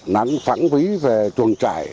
nắng phản phí về trường trại